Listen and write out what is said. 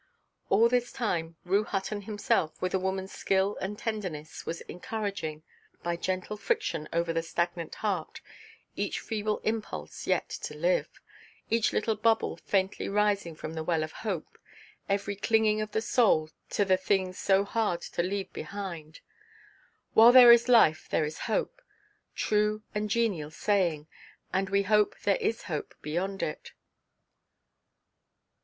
All this time, Rue Hutton himself, with a womanʼs skill and tenderness, was encouraging, by gentle friction over the stagnant heart, each feeble impulse yet to live, each little bubble faintly rising from the well of hope, every clinging of the soul to the things so hard to leave behind. "While there is life, there is hope." True and genial saying! And we hope there is hope beyond it.